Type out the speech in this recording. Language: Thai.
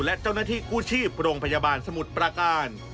และเจ้าหน้าที่กู้ชีพโรงพยาบาลสมุทรประการ